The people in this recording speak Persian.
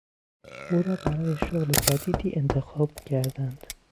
او را برای شغل جدیدی انتخاب کردند.